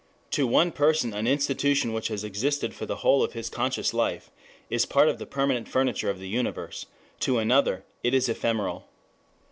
To one person an institution which has existed for the whole of his conscious life is part of the permanent furniture of the universe: to another it is ephemeral.